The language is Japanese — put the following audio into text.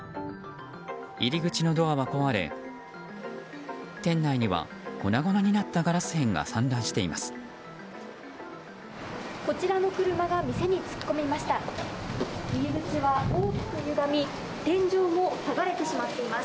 入り口のドアは壊れ店内には粉々になったガラス片が散乱しています。